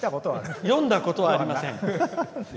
読んだことはありません。